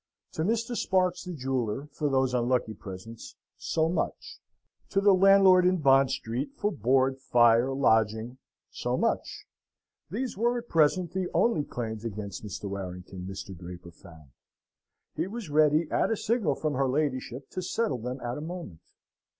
To Mr. Sparks, the jeweller, for those unlucky presents, so much; to the landlord in Bond Street, for board, fire, lodging, so much: these were at present the only claims against Mr. Warrington, Mr. Draper found. He was ready, at a signal from her ladyship, to settle them at a moment.